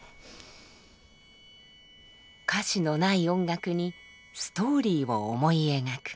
歌詞のない音楽にストーリーを思い描く。